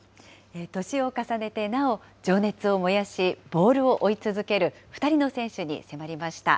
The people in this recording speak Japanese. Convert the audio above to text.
年を重ねてなお情熱を燃やし、ボールを追い続ける２人の選手に迫りました。